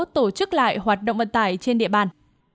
tổ chức lại hoạt động vận tải trên địa bàn